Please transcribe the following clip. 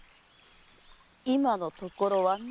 今のところはのう。